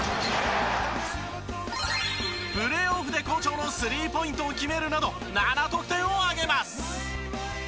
プレーオフで好調の３ポイントを決めるなど７得点をあげます。